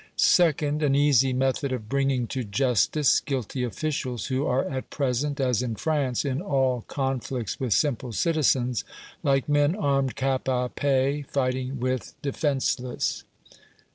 Second, "an easy method of bringing to justice guilty officials, who are at present, as in France, in all conflicts with simple citizens, like men armed cap a pie fighting with defenceless".